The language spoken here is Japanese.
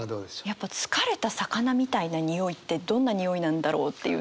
やっぱ「疲れた魚みたいな匂い」ってどんな匂いなんだろうっていうのが。